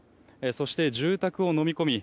そして、住宅をのみ込み